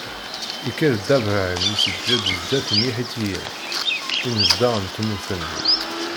Ikker Dda Bṛahim iseǧǧed zdat n Iḥitiyen, imezdaɣ n tmurt-nni.